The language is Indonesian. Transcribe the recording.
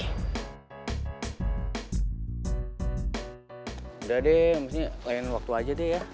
udah deh maksudnya lain waktu aja deh ya